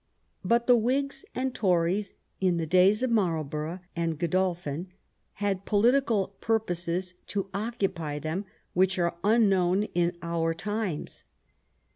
But the Whigs and Tories in the days of Marlborough and Godolphin had political purposes to occupy them which are unknown to our times.